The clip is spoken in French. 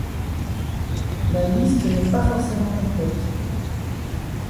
La liste n'est pas forcément complète.